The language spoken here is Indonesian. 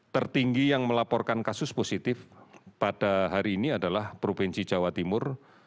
tertinggi yang melaporkan kasus positif pada hari ini adalah provinsi jawa timur